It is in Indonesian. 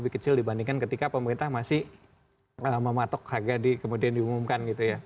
lebih kecil dibandingkan ketika pemerintah masih mematok harga kemudian diumumkan